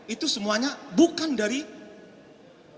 itu semuanya bukan dari pemerintah